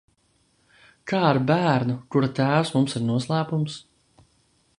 Kā ar bērnu, kura tēvs mums ir noslēpums?